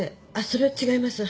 それは違います。